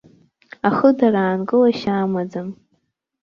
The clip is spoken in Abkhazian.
Ахыдара аанкылашьа амаӡам!